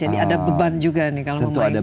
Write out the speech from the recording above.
jadi ada beban juga nih kalau memainkan tokoh nasional